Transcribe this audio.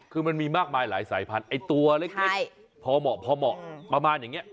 คือมันมีมากมายหลายสายพันธุไอ้ตัวเล็กพอเหมาะพอเหมาะประมาณอย่างนี้